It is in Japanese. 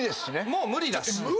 もう無理だし。